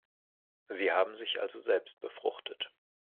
Sie haben sich also selbst befruchtet.